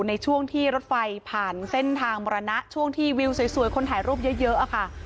ในช่วงที่รถไฟผ่านเส้นทางมรณะช่วงที่วิวสวยคนถ่ายรูปเยอะค่ะ